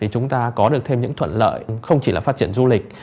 chúng ta có được thêm những thuận lợi không chỉ là phát triển du lịch